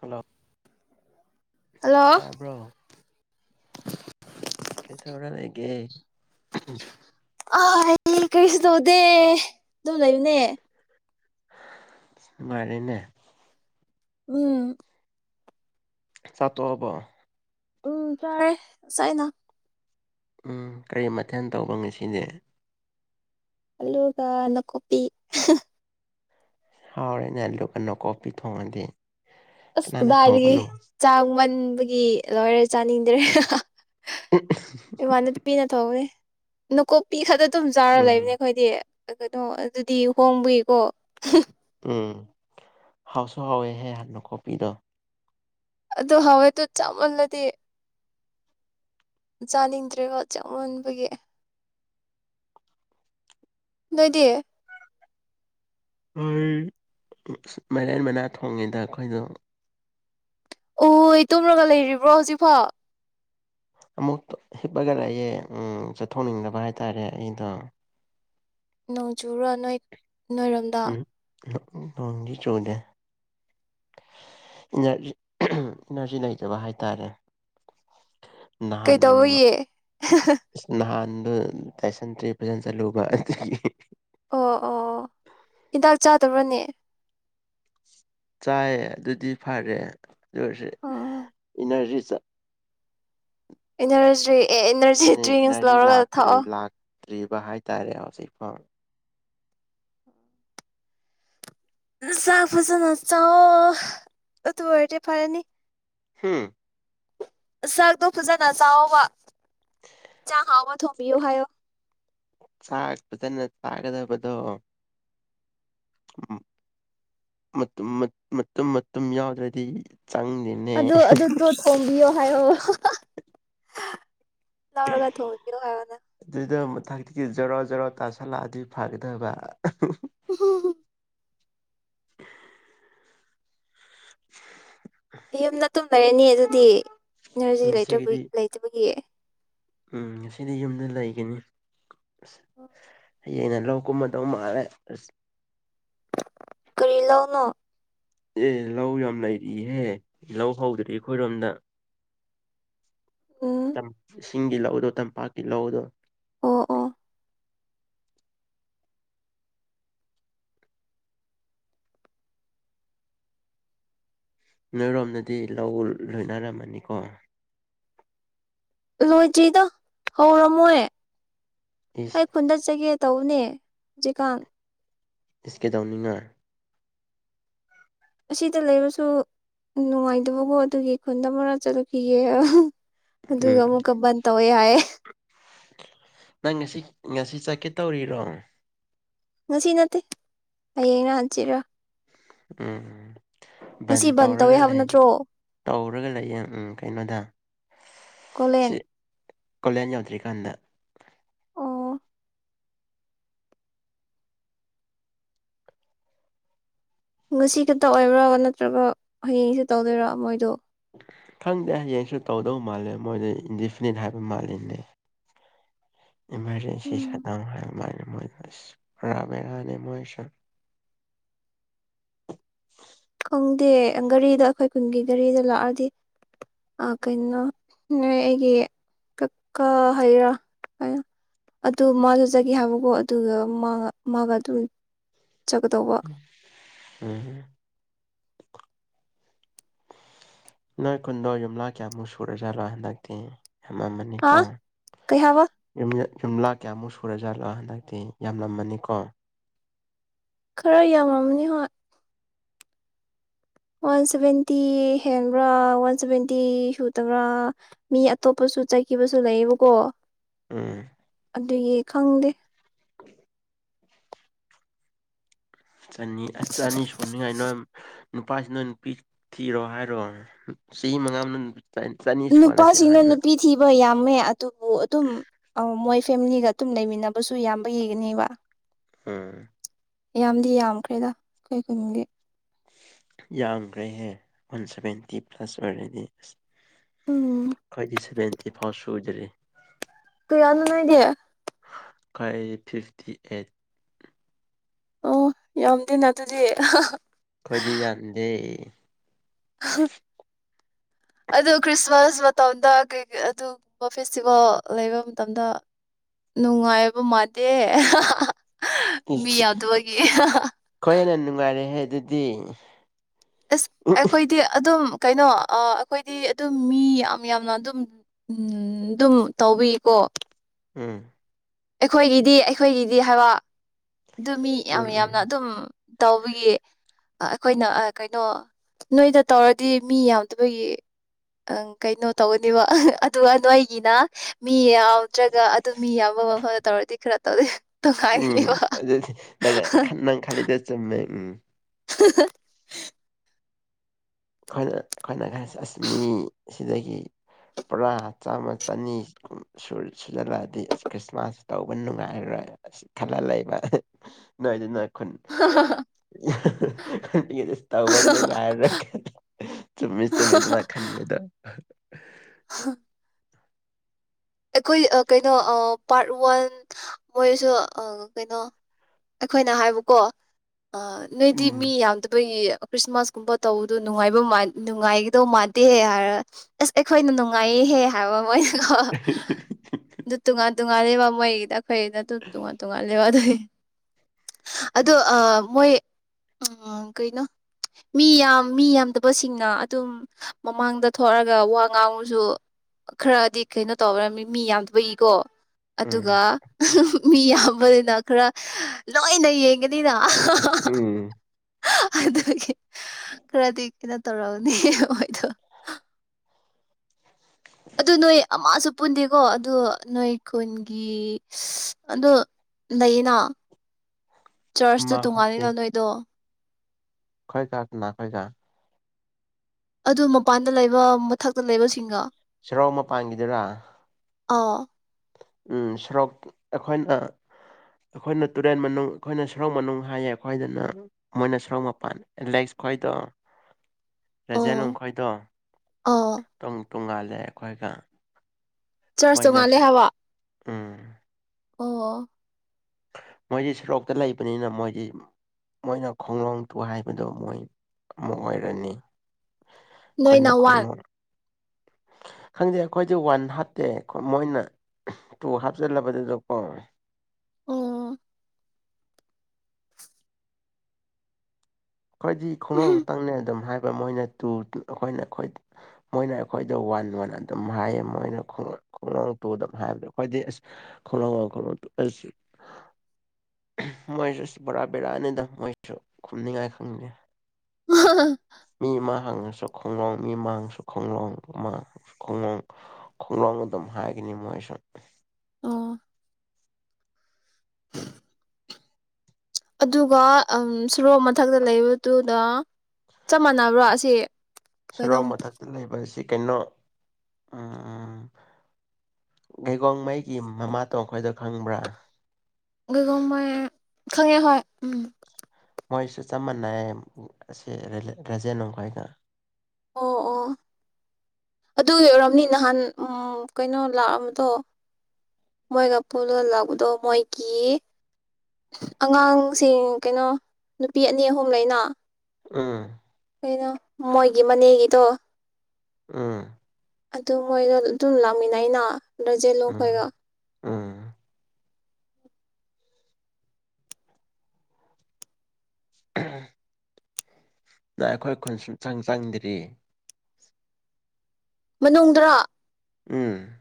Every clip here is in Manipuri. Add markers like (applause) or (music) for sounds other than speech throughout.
ꯍꯜꯂꯣ ꯍꯜꯂꯣ ꯇꯥꯔꯕ꯭ꯔ ꯀꯩ ꯊꯔ ꯂꯩꯒꯦ ꯑ ꯀꯔꯤꯁꯨ ꯇꯧꯗꯦ ꯑꯗꯨꯝ ꯂꯩꯕꯅꯦ ꯃꯥꯔꯤꯅꯦ ꯎꯝ ꯆꯠꯣ ꯍꯕ ꯎꯝ ꯐꯔꯦ ꯆꯁ ꯑꯅ ꯎꯝ ꯀꯔꯤ ꯃꯊꯦꯜ ꯇꯧꯕ ꯉꯁꯤꯗꯤ ꯑꯜꯂꯨꯒ ꯑꯅ ꯀꯣꯄꯤꯤ ꯍꯥꯎꯔꯦ ꯅ ꯂꯨ ꯀꯅꯣ ꯀꯣꯐꯤ ꯊꯣꯡꯉꯗꯤ ꯀꯅꯥꯅ ꯑꯁ ꯔꯤꯒꯤ ꯊꯣꯡꯕꯅꯣ ꯆꯥꯃꯟ ꯑꯗꯨꯒꯤ ꯂꯣꯏꯔ ꯆꯥꯅꯤꯡꯗ꯭ꯔꯦ ꯏ ꯋꯥꯅꯗ ꯄꯤꯅ ꯊꯧꯅꯦ ꯅꯨꯡꯀꯨꯞꯄꯤ ꯈꯛꯇ ꯑꯗꯨꯝ ꯆꯥꯔ ꯎꯝ ꯂꯩꯕꯅꯦ ꯑꯩꯈꯣꯏꯗꯤ ꯀꯩꯅꯣ ꯑꯗꯨꯗꯤ ꯍꯣꯡꯕꯏꯀꯣ ꯎꯝ ꯍꯥꯎꯁꯨ ꯍꯥꯎꯋꯦꯍꯦꯥꯟ ꯅꯀꯣꯄꯤꯗꯣ ꯑ ꯍꯋꯥꯏꯗꯨꯣ ꯆꯞꯃꯜꯂꯗꯤ ꯆꯥꯅꯤꯡꯗ꯭ꯔꯦꯀꯣ ꯆꯥꯛ ꯑꯣꯟꯕꯒꯤ ꯅꯣꯏꯗꯤ ꯃꯥꯏꯔꯦꯟ ꯃꯅꯥ ꯊꯣꯡꯉꯤꯗ ꯑꯩꯈꯣꯏꯗꯣ ꯑꯣ ꯇꯨꯝꯔꯒ ꯂꯩꯔꯤꯕ꯭ꯔꯣ ꯍꯧꯖꯤꯛꯐꯥꯎ ꯑꯃꯨꯛ ꯍꯤꯞꯄꯒ ꯂꯥꯛꯑꯦ ꯎ ꯆꯠꯊꯣꯛꯅꯤꯡꯗꯕ ꯍꯥꯏ ꯇꯔꯦ ꯑꯩꯗꯣ ꯅꯣꯡ ꯆꯨꯕꯔꯥ ꯅꯣꯏ ꯅꯣꯏꯔꯣꯝꯗ ꯎꯝ ꯅꯣꯡꯗꯤ ꯆꯨꯗꯦ ꯏꯖꯤ ꯏꯅꯔꯖꯤ ꯂꯩꯇꯕ ꯍꯥꯏꯇꯥꯥꯔꯦ ꯅꯍꯥꯟ ꯀꯩꯇꯧꯕꯒꯤ ꯅꯍꯥꯟ ꯇꯥꯏꯁꯟꯗ꯭ꯔꯤ ꯐꯖꯅ ꯆꯠꯂꯨꯕ ꯑꯗꯨꯒꯤ ꯑꯣ ꯑꯣ ꯑꯣ ꯍꯤꯗꯥꯛ ꯆꯥꯗꯕꯔꯥꯅꯦ ꯆꯥꯏꯑ ꯑꯗꯨꯗꯤ ꯐꯔꯦ ꯑꯗꯨ ꯑꯣꯏꯔꯁ ꯑꯣ ꯏꯅꯔꯖꯤ ꯆꯥ ꯏꯅꯔꯖꯤ ꯑꯦ ꯏꯅꯔꯖꯤ ꯗ꯭ꯔꯤꯡꯁ ꯂꯧꯔꯒ ꯊꯛꯑꯣ ꯇ꯭ꯔꯤꯕ ꯍꯥꯏꯇꯥꯔꯦ ꯍꯧꯖꯤꯛ ꯐꯥꯎ ꯆꯥꯛ ꯐꯖꯅ ꯆ ꯑꯣ ꯑꯗꯨ ꯑꯣꯏꯔꯗꯤ ꯐꯔꯦꯅꯤ ꯍꯥꯝ ꯁꯔꯛꯇꯣ ꯐꯖꯅ ꯆꯥꯑꯣꯕ ꯆꯥꯡ ꯍꯥꯎꯕ ꯊꯣꯡꯝꯕꯤꯌꯨ ꯍꯥꯏꯌꯣ ꯆꯥꯛ ꯐꯖꯅ ꯆꯥꯒꯗꯕꯗꯣ ꯃꯇꯨꯝ ꯃꯇꯨꯝ ꯌꯥꯎꯗ꯭ꯔꯗꯤ ꯆꯪꯗꯦꯅꯦ ꯑꯗꯨ ꯑꯗꯨꯗꯣ ꯊꯣꯡꯕꯤꯌꯣ ꯍꯥꯏꯌꯣ ꯂꯔꯒ ꯊꯣꯕꯤꯌꯣ ꯍꯥꯏ ꯑꯣꯅ ꯊꯛꯇꯤꯒꯤ ꯖꯔꯣ ꯖꯔꯣ ꯇꯥꯁꯜꯂꯛꯑꯗꯤ ꯐꯒꯗꯕ ꯍꯝ (inaudible) (inaudible) ꯌꯨꯝꯗ ꯇꯨꯝ ꯂꯩꯔꯅꯤ ꯑꯗꯨꯗꯤ ꯏꯅꯔꯖꯤ ꯂꯩꯇ꯭ꯔ ꯉꯁꯤꯒꯤꯗꯤ ꯂꯩꯇꯕꯒꯤ ꯎꯝ ꯉꯁꯤꯗꯤ ꯌꯨꯝꯗ ꯂꯩꯒꯅꯤ ꯑꯁ ꯍꯌꯦꯡꯅ ꯂꯧ ꯀꯨꯝꯕꯗꯧ ꯃꯥꯜꯂꯦ ꯑꯁ ꯀꯔꯤ ꯂꯑꯣꯅꯣ ꯑꯦ ꯂꯧ ꯌꯥꯝ ꯂꯩꯔꯤꯍꯦ ꯂꯧ ꯍꯧꯗ꯭ꯔꯦ ꯑꯩꯈꯣꯏꯔꯣꯝꯗ ꯎꯝ ꯆꯝ ꯀꯤꯡꯒꯤ ꯂꯧꯗꯣ ꯇꯝꯄꯥꯛꯀꯤ ꯂꯧꯗꯣ ꯑꯣ ꯑꯣ ꯅꯣꯏꯔꯣꯝꯅꯗꯤ ꯂꯧ ꯂꯣꯏꯅꯔꯝꯃꯅꯤꯀꯣ ꯂꯣꯏꯗ꯭ꯔꯤꯗ ꯍꯧꯔꯝꯃꯣꯏ ꯏꯁ ꯑꯩ ꯈꯨꯨꯟ ꯆꯒꯦ ꯇꯧꯕꯅꯦ ꯖꯤꯀꯥꯟ ꯏꯁ ꯀꯦꯗꯧꯅꯤꯡꯉꯥ ꯑꯁꯤꯗ ꯂꯩꯔꯁꯨ ꯅꯨꯡꯉꯥꯏꯇꯕꯀꯣ ꯑꯗꯨꯒꯤ ꯈꯨꯟꯗ ꯑꯃꯔꯛ ꯆꯠꯂꯨꯈꯤꯒꯦ ꯎꯝ ꯑꯗꯨꯒ ꯑꯃꯨꯛꯀꯥ ꯕꯟ ꯇꯧꯋꯦ ꯍꯥꯏꯌꯦ ꯅꯪ ꯉꯁꯤ ꯉꯁꯤ ꯆꯠꯀꯦ ꯇꯧꯔꯤꯔꯣ ꯉꯁꯤ ꯅꯠꯇꯦ ꯍꯌꯦꯡꯔꯥ ꯍꯪꯆꯤꯠ ꯂꯥ ꯎꯝ ꯕꯟ ꯇꯧꯋꯦ ꯇꯧꯔꯒ ꯍꯥꯏꯕ ꯂꯩ ꯅꯠꯇ꯭ꯔꯣ ꯇꯧꯔꯒ ꯂꯩꯌꯦ ꯎꯝ ꯀꯩꯅꯣꯗ ꯀꯣꯂꯦꯟ ꯁꯤ ꯀꯣꯂꯦꯟ ꯌꯥꯎꯗ꯭ꯔꯤꯀꯥꯟꯗ ꯑꯣ ꯉꯁꯤ ꯈꯛꯇ ꯑꯣꯏꯕ꯭ꯔꯥ ꯅꯠꯇ꯭ꯔꯒ ꯍꯌꯦꯡꯁꯦ ꯇꯧꯗꯣꯏꯔꯣ ꯃꯣꯏꯗꯣ ꯈꯪꯗꯦ ꯍꯌꯦꯡꯁꯨ ꯇꯧꯗꯧ ꯃꯥꯜꯂꯦ ꯃꯣꯏꯗ ꯏꯟꯗꯤꯐꯤꯅꯤꯠ ꯍꯥꯏꯕ ꯃꯥꯜꯂꯤꯅꯦ ꯏꯃꯥꯔꯖꯦꯟꯁꯤ ꯎꯝ ꯁꯟꯅꯧ ꯍꯥꯏꯕ ꯃꯥ ꯑꯁ ꯄꯨꯔꯕꯦꯔꯥꯅꯦ ꯃꯣꯏꯁꯦ ꯈꯪꯗꯦ ꯒꯥꯔꯤꯗ ꯑꯩꯈꯣꯏ ꯀꯨꯟꯒꯤ ꯒꯥꯔꯤꯗ ꯂꯥꯛꯑꯗꯤ ꯀꯩꯅꯣ ꯅꯣꯏ ꯑꯩꯒꯤ ꯀꯛꯀꯥ ꯍꯥꯏꯩꯔꯥ ꯑꯗꯨ ꯃꯥꯁꯨ ꯆꯒꯦ ꯍꯥꯏꯕꯀꯣ ꯑꯗꯨꯒ ꯃꯥꯒ ꯑꯗꯨꯝ ꯆꯠꯀꯗꯧꯕ ꯎꯝ ꯅꯣꯏ ꯀꯨꯟꯗꯣ ꯌꯨꯝꯂꯥ ꯀꯌꯥꯃꯨꯛ ꯁꯨꯔꯦꯖꯥꯠꯂꯣ ꯍꯟꯗꯛꯇꯤ ꯍꯥ ꯌꯥꯝꯃꯅꯤꯀꯣ ꯀꯩ ꯍꯥꯏꯕ ꯌꯨꯝ ꯒꯥꯝꯂꯥ ꯀꯌꯥꯃꯨꯛ ꯁꯨꯔꯖꯥꯠꯂꯣ ꯍꯟꯗꯛꯇꯤ ꯌꯥꯝꯂꯝꯃꯅꯤꯀꯣ ꯈꯔ ꯌꯥꯝꯃꯝꯅꯤ ꯍꯣꯏ ꯋꯥꯟ ꯁꯚꯦꯟꯇꯤ ꯍꯦꯟꯕ꯭ꯔꯥ ꯋꯥꯟ ꯁꯚꯦꯟꯇꯤ ꯁꯨꯗꯕ꯭ꯔꯥ ꯃꯤ ꯑꯇꯣꯞꯄꯁꯨ ꯆꯠꯈꯤꯕꯁꯨ ꯂꯩꯌꯦꯕꯀꯣ ꯑꯝ ꯑꯗꯨꯒꯤ ꯈꯪꯗꯦ ꯆꯅꯤ ꯑꯁ ꯆꯅꯤ ꯁꯨꯅꯤꯡꯉꯥꯏ ꯅꯣꯏ ꯅꯨꯄꯥꯁꯤꯅ ꯅꯨꯄꯤ ꯊꯤꯔꯣ ꯍꯥꯏꯔꯣ ꯆꯍꯤ ꯃꯉꯥ ꯑꯃꯅ ꯅꯨꯄꯥꯁꯤꯅ ꯅꯨꯄꯤ ꯊꯤꯕ ꯌꯥꯝ ꯆꯪꯃꯦ ꯑꯗꯨꯕꯨ ꯑꯗꯨꯝ ꯃꯣꯏ ꯐꯦꯃꯤꯂꯤꯒ ꯑꯗꯨꯝ ꯂꯩꯃꯤꯟꯅꯕꯁꯨ ꯌꯥꯝꯕ ꯌꯦꯒꯅꯦꯕ ꯎꯝ ꯌꯥꯝꯌꯥꯝꯗꯤ ꯌꯥꯝꯈ꯭ꯔꯦꯗ ꯀꯩ ꯀꯨꯝꯒꯤ ꯌꯥꯝꯡꯈ꯭ꯔꯦꯍꯦ ꯋꯥꯟ ꯁꯚꯦꯟꯇꯤ ꯄ꯭ꯂꯁ ꯑꯣꯏꯔꯦꯗꯤ ꯎꯝ ꯊ꯭ꯔꯠꯇꯤ ꯁꯥꯕꯦꯟ ꯁꯤꯐꯥꯎ ꯁꯨꯖꯔꯤ ꯀꯥꯌꯥꯅꯣ ꯅꯣꯏꯘꯤ ꯑꯩꯈꯣꯏ ꯐꯤꯞꯇꯤ ꯑꯥꯠ ꯑꯣ ꯌꯥꯝꯗꯦꯅ ꯑꯗꯨꯗꯤ ꯑꯈꯣꯘꯤ ꯌꯝꯘꯦ ꯑ (unintelligible) ꯑꯗꯨ ꯈ꯭ꯔꯤꯁꯃꯥꯁ ꯃꯇꯝꯗ ꯀꯩꯩ ꯑꯗꯨꯒꯨꯝꯕ ꯐꯦꯁꯇꯤꯚꯦꯜ ꯂꯩꯕ ꯃꯇꯝꯗ ꯅꯨꯡꯉꯥꯏꯕ ꯃꯥꯟꯗꯦ ꯃꯤ ꯌꯥꯝꯗꯕꯒꯤ ꯈꯣꯏꯅꯥ ꯅꯨꯡꯉꯥꯏꯔꯦ ꯍꯦ ꯑꯗꯨꯗꯤ ꯑꯁ ꯎꯝ ꯑꯩꯈꯣꯏꯗꯤ ꯑꯗꯨꯝ ꯀꯩꯅꯣ ꯑꯩꯈꯣꯏꯗꯤ ꯑꯗꯨꯝ ꯃꯤ ꯌꯥꯝ ꯌꯥꯝꯅ ꯑꯗꯨꯝ ꯑꯗꯨꯝ ꯇꯧꯕꯤꯀꯣ ꯎꯝ ꯑꯩꯈꯣꯏꯒꯤꯗꯤ ꯑꯩꯈꯣꯏꯒꯤꯗꯤ ꯍꯥꯏꯕ ꯑꯗꯨ ꯃꯤ ꯌꯥꯝ ꯎꯝ ꯌꯥꯝꯅ ꯑꯗꯨꯝ ꯇꯧꯕꯒꯤ ꯑꯩꯈꯣꯏꯅ ꯀꯩꯅꯣ ꯅꯣꯏꯗ ꯇꯧꯔꯗꯤ ꯃꯤ ꯌꯥꯝꯗꯕꯒꯤ ꯀꯩꯅꯣ ꯇꯧꯒꯅꯦꯕ ꯑꯗꯨꯒ ꯅꯣꯏꯒꯤꯅ ꯃꯤ ꯌꯥꯎꯗ꯭ꯔꯒ ꯑꯗꯨ ꯃꯤ ꯌꯥꯝꯃ ꯊꯔ ꯊꯧꯔꯗꯤꯈꯔ ꯇꯧꯗꯤ ꯎꯝ ꯈꯗ ꯆꯦꯃꯦ ꯎꯝ ꯑꯩꯈꯣꯏꯅ ꯑꯩꯈꯣꯏꯅ ꯑꯁꯃꯤꯁꯤꯗꯒꯤ ꯄꯨꯔꯥ ꯆꯥꯝꯃ ꯆꯅꯤꯒ ꯁꯨꯖꯜꯂꯛꯑꯗꯤ ꯑꯁ ꯈ꯭ꯔꯤꯁꯃꯥꯁ ꯇꯧꯕ ꯅꯨꯡꯉꯥꯏꯔꯣꯏ ꯑꯁꯤ ꯈꯜꯍꯜꯂꯕ ꯅꯣꯏ ꯑꯗꯨꯅ ꯇꯧꯕ ꯅꯨꯡꯉꯥꯏꯔ ꯆꯃꯤ ꯆꯃꯤ ꯑꯗꯨ ꯃꯥ ꯈꯅꯤꯕꯗ ꯑ ꯍ ꯑꯩꯈꯣꯏ ꯀꯩꯅꯣ ꯄꯥꯔꯠ ꯋꯥꯟ ꯃꯣꯏꯁꯨ ꯀꯩꯅꯣ ꯑꯩꯈꯣꯏꯅ ꯍꯥꯏꯕꯀꯣ ꯅꯣꯏꯗꯤ ꯃꯤ ꯎꯝ ꯌꯥꯝꯗ ꯑꯩꯣꯏꯒꯤ ꯈ꯭ꯔꯤꯁꯃꯥꯁ ꯀꯨꯝꯕ ꯇꯧꯕꯗꯨ ꯅꯨꯡꯉꯥꯏꯕ ꯅꯨꯡꯉꯥꯏꯒꯗꯧ ꯃꯥꯟꯗꯦꯍꯦ ꯍꯥꯏꯔ ꯑꯁ ꯑꯩꯈꯣꯏꯅ ꯅꯨꯡꯉꯥꯏꯍꯦ ꯍꯥꯏꯕ ꯑꯃ ꯑꯗꯨ ꯇꯨꯡ ꯉ ꯇꯣꯉꯥꯜꯂꯦꯕ ꯃꯣꯏꯒꯤꯗ ꯑꯩꯈꯣꯏꯅ ꯑꯗꯨꯝ ꯇꯣꯉꯥꯟ ꯇꯣꯉꯥꯜꯂꯦꯕ ꯑꯗꯨꯒꯤ ꯑꯗꯣ ꯃꯣꯏ ꯀꯩꯅꯣ ꯃꯤ ꯌꯥꯝ ꯃꯤ ꯌꯥꯝꯗꯕꯁꯤꯡꯅ ꯑꯗꯨꯝ ꯃꯃꯥꯡꯗ ꯊꯣꯛꯑꯒ ꯋꯥ ꯉꯥꯡꯕꯁꯨ ꯈꯔꯗꯤ ꯀꯩꯅꯣ ꯇꯧꯔ ꯃꯤ ꯃꯤ ꯌꯥꯝꯟꯊꯕ ꯏꯀꯣ ꯎꯝ ꯑꯗꯨꯒꯒ ꯃꯤ ꯌꯥꯝꯕꯅꯤꯅ ꯈꯔ ꯂꯣꯏꯅ ꯌꯦꯡꯒꯅꯤꯅ ꯑ ꯎꯝ ꯑꯗꯨꯒꯤ ꯈꯔꯗꯤ ꯀꯩꯅꯣ ꯇꯧꯔꯅꯤ ꯃꯣꯏꯗꯣ ꯑꯗꯨ ꯅꯣꯏ ꯑꯃꯁꯨ ꯄꯨꯟꯗꯦꯀꯣ ꯑꯗꯨ ꯅꯣꯏ ꯈꯨꯟꯒꯤ ꯑꯗꯨ ꯂꯩꯌꯦꯅ ꯆꯔꯆꯇ ꯃꯥ ꯇꯣꯡꯉꯥꯜꯂꯤꯅꯣ ꯅꯣꯏꯗꯣ ꯈꯣꯏ ꯆꯅꯥ ꯈꯣꯏ ꯆ ꯑꯗꯨ ꯃꯄꯥꯟꯗ ꯂꯩꯕ ꯃꯊꯛꯇ ꯂꯩꯕꯁꯤꯡꯒ ꯁꯔꯥꯎ ꯃ ꯄꯥꯟꯈꯤꯗꯔ ꯑꯥ ꯎ ꯁꯣꯔꯣꯛ ꯑꯩꯈꯣꯏꯅ ꯑꯩꯈꯣꯏꯅ ꯇꯨꯔꯦꯟ ꯃꯅꯨꯡ ꯑꯩꯈꯣꯏꯅ ꯁꯣꯔꯣꯛ ꯃꯅꯨꯡ ꯍꯥꯏꯌꯦ ꯑꯩꯈꯣꯏꯗꯅ ꯃꯣꯏꯅ ꯁꯣꯔꯣꯛ ꯃꯄꯥꯟ ꯑꯦꯂꯦꯛꯁ ꯈꯣꯏꯗꯣ ꯑꯣ ꯔꯖꯦꯟꯈꯣꯏꯗꯣ ꯑꯣ ꯇꯣꯡꯉꯥꯜꯂꯦ ꯑꯩꯈꯣꯏꯒ ꯆꯔꯆ ꯇꯣꯉꯜꯂꯦ ꯍꯥꯏꯕ ꯑꯥ ꯑꯣ ꯃꯣꯏꯗꯤ ꯁꯣꯔꯣꯛꯇ ꯂꯩꯕꯅꯤꯅ ꯃꯣꯏꯗꯤ ꯃꯣꯏꯅ ꯈꯣꯡꯡꯂꯣꯡ ꯇꯨ ꯍꯥꯏꯕꯗꯣ ꯃꯣꯏ ꯑꯃ ꯑꯣꯏꯔꯅꯤ ꯅꯣꯏꯅ ꯑꯩꯈꯣꯏꯅ ꯋꯥꯟ ꯈꯣꯡꯅꯣ ꯈꯪꯗꯦ ꯑꯩꯈꯣꯏꯗꯤ ꯋꯥꯟ ꯍꯥꯞꯇꯦ ꯃꯣꯏꯅ ꯇꯨ ꯍꯥꯞꯆꯤꯜꯂꯕꯗꯨꯗ ꯄꯥꯎꯦ ꯑꯣ ꯈꯣꯏꯏꯗꯤ ꯈꯣꯡꯅꯨꯡꯪ ꯈꯛꯇꯪꯅꯦ ꯑꯗꯨꯝ ꯍꯥꯏ ꯃꯣꯏꯅ ꯇ ꯑꯩꯈꯣꯏꯅ ꯃꯣꯏꯅ ꯑꯩꯈꯣꯏꯗ ꯋꯥꯟ ꯋꯥꯟ ꯑꯗꯨꯝ ꯍꯥꯏꯌꯦ ꯃꯣꯏꯅ ꯈꯣꯡꯂꯪ ꯇꯨ ꯑꯗꯨ ꯍꯥꯏꯕꯗ ꯑꯩꯈꯣꯏꯗꯤ ꯑꯁ ꯈꯣꯡ ꯈꯣꯡꯂ ꯇꯨ ꯃꯣꯏꯁꯨ ꯑꯁ ꯕꯔꯥ ꯕꯦꯔꯥꯅꯤꯗ ꯃꯣꯏꯁꯨ ꯈꯨꯝꯅꯤꯡꯉꯥꯏ ꯎ ꯃꯤꯃꯥ ꯍꯉ ꯁ ꯈꯣꯡꯂꯣꯡ ꯃꯤꯃꯥꯡꯁꯨ ꯈꯣꯡꯂꯣꯡꯃꯥꯡ ꯈꯣꯡꯂ ꯈꯣꯡꯂꯣꯡ ꯑꯗꯨꯝ ꯍꯥꯏꯒꯅꯤ ꯃꯣꯏꯁꯨ ꯑꯣ ꯑꯗꯨꯒ ꯁꯣꯔꯣꯛ ꯃꯊꯛꯇ ꯂꯩꯕꯗꯨꯗ ꯆꯞ ꯃꯥꯟꯅꯕ꯭ꯔꯣ ꯑꯁꯤ ꯁꯦꯔꯧ ꯀꯩꯅꯣꯝ ꯃꯊꯛꯇ ꯂꯩꯕ ꯑꯁꯤ ꯀꯩꯅꯣ ꯎ ꯍꯩꯒꯣꯉꯩꯒꯤ ꯃꯃꯥꯇꯣ ꯑꯩꯈꯣꯏꯗ ꯈꯪꯕ꯭ꯔꯥ ꯒ ꯃꯣꯏ ꯈꯉꯦ ꯍ ꯎꯝ ꯃꯣꯏꯁꯨ ꯆꯞ ꯃꯥꯟꯅꯩꯌꯦ ꯑꯁꯤ ꯔꯦꯖꯦꯟꯦꯟꯣꯡꯈꯣꯏꯒ ꯑꯣ ꯑꯣ ꯑꯗꯨ ꯑꯣꯏꯔꯝꯅꯤ ꯅꯍꯥꯟ ꯀꯩꯅꯣ ꯂꯥꯛꯑꯝꯕꯗꯣ ꯃꯣꯏꯒ ꯄꯨꯂ ꯂꯥꯛꯄꯗꯣ ꯃꯣꯏꯒꯤ ꯑꯉꯥꯡꯁꯤꯡ ꯀꯩꯅꯣ ꯅꯨꯄꯤ ꯑꯅꯤ ꯑꯍꯨꯝ ꯂꯩꯅ ꯎꯝ ꯀꯩꯅꯣ ꯃꯣꯏꯒꯤ ꯃꯅꯦꯒꯤꯗꯣ ꯑꯝ ꯑꯗꯨ ꯃꯣꯏꯗꯣ ꯑꯗꯨꯝ ꯂꯥꯛꯃꯤꯟꯅꯩꯩꯅ ꯔꯖꯦ ꯂꯣ ꯍꯣꯏꯒ ꯑꯥ ꯑ ꯅ ꯑꯩꯈꯣꯏ ꯈꯨꯟ ꯁꯨꯝꯆꯪ ꯆꯪꯗ꯭ꯔꯤ ꯃꯅꯨꯡꯗ꯭ꯔꯥ ꯎꯝ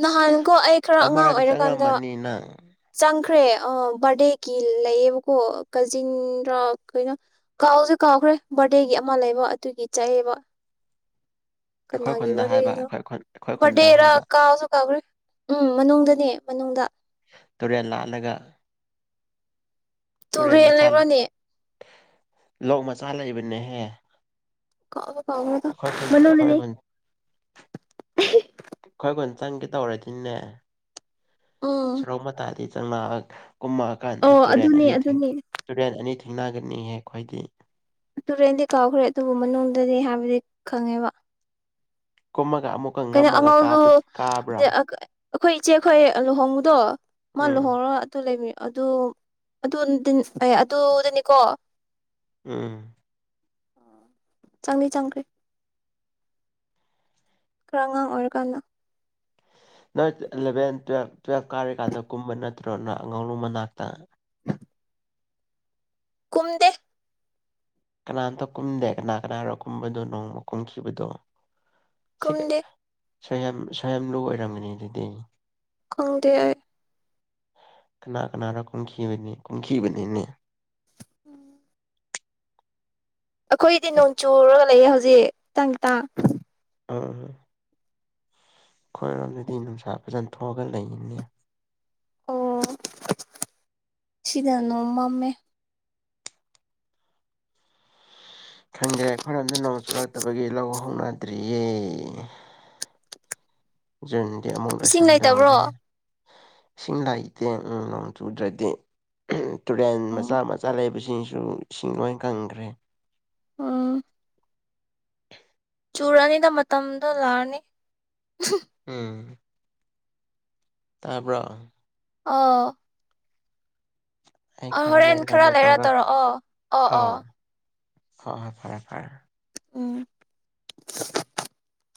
ꯅꯍꯥꯟꯒꯣ ꯑꯩ ꯈꯔ ꯑꯉꯥꯡ ꯑꯃꯔꯗꯤ ꯑꯣꯏꯔꯀꯥꯟꯗ ꯆꯪꯉꯝꯃꯅꯤ ꯅꯪ ꯆꯪ ꯈ꯭ꯔꯦ ꯕꯥꯔꯗꯦꯒꯤ ꯂꯩꯑꯕꯀꯣ ꯀꯖꯤꯟꯗꯔꯥ ꯀꯩꯅꯣ ꯀꯥꯎꯁꯦ ꯀꯥꯎꯈ꯭ꯔꯦ ꯕꯥꯔꯗꯦꯒꯤ ꯑꯃ ꯂꯩꯕ ꯑꯗꯨꯒꯤ ꯆꯥꯏꯑꯕ ꯑꯩꯈꯣꯏ ꯀꯅꯥꯒꯤ ꯈꯨꯟꯗ ꯍꯥꯏꯕ ꯋꯥꯔꯤꯔꯦꯗ ꯑꯩꯈꯣꯏ ꯈꯨꯟ ꯑꯩꯈꯣꯏ ꯈꯨꯟꯗ ꯦꯔ ꯍꯥꯏꯕ ꯀꯥꯁꯨ ꯀꯥꯕ ꯎꯝ ꯃꯅꯨꯡꯗꯅꯦ ꯃꯅꯨꯡꯗ ꯇꯨꯔꯦꯟ ꯂꯥꯂꯒ ꯇꯨ ꯌꯦ ꯂꯩ꯭ꯔꯅꯤ ꯂꯣꯛ ꯃꯆꯥ ꯂꯩꯕꯅꯦꯍꯦ ꯀꯥ ꯀꯥ ꯑꯩꯈꯣꯏ ꯈꯨꯟ ꯑꯩꯈꯣꯏ ꯃꯅꯣꯅꯦ ꯈꯨꯟ ꯑꯩꯈꯣꯏ ꯈꯨꯟ ꯆꯪꯒꯦ ꯇꯧꯔꯦꯗꯤꯅꯦ ꯎꯝ ꯁ꯭ꯔꯧꯃ ꯇꯥꯗꯤ ꯆꯅꯥꯥꯛ ꯀꯨꯝꯃꯛꯑꯀꯥꯟꯗ ꯑꯣ ꯇꯨꯔꯦꯟ ꯑꯗꯨꯅꯦ ꯑꯅꯤꯊꯤꯡ ꯑꯗꯨꯅꯦ ꯇꯨꯔꯦꯟ ꯑꯅꯤꯊꯤꯡ ꯊꯦꯡꯅꯒꯅꯤꯍꯦ ꯈ꯭ꯋꯥꯣꯏꯗꯤ ꯇꯨꯔꯦꯟꯗꯤ ꯀꯥꯎꯈ꯭ꯔꯦ ꯑꯗꯨꯕꯨ ꯃꯅꯨꯡꯗꯗꯤ ꯍꯥꯏꯕꯗꯤ ꯈꯪꯉꯦꯕ ꯀꯨꯝꯃꯒ ꯑꯃꯨꯛꯀ ꯀꯩꯅꯣ ꯉꯝꯃꯒ ꯑꯉꯧꯗꯨ ꯀꯥꯕ꯭ꯔꯥ ꯑꯩꯈꯣꯏ ꯏꯆꯦ ꯑꯩꯈꯣꯏ ꯂꯨꯍꯣꯡꯕꯨꯗꯣ ꯃ ꯎꯝ ꯂꯣꯍꯔ ꯇ ꯂꯩꯃꯤ ꯑꯗꯨ ꯑꯗꯨ ꯑꯦ ꯑꯗꯨꯗꯅꯤꯀꯣ ꯎꯝ ꯆꯪꯅꯤ ꯆꯥꯡꯈ꯭ꯔꯦ ꯈꯔ ꯑꯉꯥꯡ ꯑꯣꯏꯔꯀꯥꯟꯗ ꯅꯣꯏ ꯏꯂꯚꯦꯟ ꯇꯨꯋ ꯇꯨꯋꯦꯜꯞ ꯀꯥꯔꯤꯀꯥꯟꯗ ꯀꯨꯝꯕ ꯅꯠꯇ꯭ꯔꯣꯅ ꯑꯉꯥꯂꯨ ꯃꯅꯥꯛꯇ ꯀꯨꯝꯗꯦ ꯀꯅꯥꯝꯇ ꯀꯨꯝꯗꯦ ꯀꯅꯥ ꯀꯅꯥꯔꯥ ꯀꯨꯝꯕꯗꯣ ꯅꯣꯡꯃ ꯀꯨꯝꯈꯤꯕꯗꯣ ꯀꯨꯝꯗꯦ ꯁ ꯌꯥꯝ ꯁ ꯌꯥꯝ ꯂꯨ ꯑꯣꯏꯔꯝꯒꯅꯤ ꯑꯗꯨꯗꯤ ꯈꯪꯗꯦ ꯑꯩ ꯀꯅꯥ ꯀꯅꯥꯔꯥ ꯀꯨꯝꯈꯤꯕꯅꯤ ꯀꯨꯝꯈꯤꯕꯥꯅꯤ ꯅꯦ ꯎꯝ ꯑꯩꯈꯣꯏꯗꯤ ꯅꯣꯡ ꯆꯨꯔꯒ ꯂꯩꯌꯦ ꯍꯧꯖꯤꯛ ꯈꯤꯇꯪ ꯈꯤꯇꯥꯡ ꯑꯥ ꯑꯩꯈꯣꯏꯔꯣꯝꯗꯗꯤ ꯅꯨꯡꯁꯥ ꯐꯖꯅ ꯊꯣꯛꯑꯒ ꯂꯩꯅꯤꯡꯅꯦ ꯑꯣ ꯁꯤꯗꯅꯣ ꯃꯝꯃꯦ ꯈꯪꯗ꯭ꯔꯦ ꯈꯣꯏꯔꯝꯗ ꯅꯣꯡ ꯆꯨꯔꯨꯔꯛꯇꯕꯒꯤ ꯂꯧ ꯍꯧꯅꯗ꯭ꯔꯤꯌꯦ ꯎ ꯑꯃꯨꯛ ꯏꯁꯤꯡ ꯂꯁꯟ ꯂꯩꯇꯕ꯭ꯔꯣ ꯇꯧꯨꯔꯦ ꯏꯁꯤꯡ ꯂꯥꯛꯏꯇꯦ ꯅꯣꯡ ꯆꯨꯗ꯭ꯔꯗꯤ ꯇꯨꯔꯦꯟ ꯃꯆꯥ ꯃꯆꯥ ꯂꯩꯕꯁꯤ ꯏꯁꯤꯡꯁꯨ ꯏꯁꯤꯡ ꯂꯣꯏ ꯀꯪꯒꯔꯦ ꯎꯝ ꯇꯨꯔ ꯑꯅꯤꯗ ꯃꯇꯝꯗꯣ ꯂꯥꯛꯔꯅꯤ ꯎꯝ ꯇꯥꯕ꯭ꯔꯣ ꯑꯥ ꯑꯩ ꯍꯣꯔꯦꯟ ꯂꯩꯔꯒ ꯈꯔ ꯑꯃꯨꯛ ꯂꯩꯔ ꯇꯧꯔꯣ ꯇꯧꯔꯛꯀꯦ ꯑꯣ ꯑꯣ ꯑꯣ ꯍ ꯍꯣꯏ ꯐꯔꯦ ꯐꯔꯦ ꯑꯣ